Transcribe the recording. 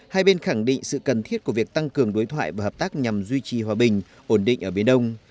hai bên khẳng định sự cần thiết của việc tăng cường đối thoại và hợp tác nhằm duy trì hòa bình ổn định ở biển đông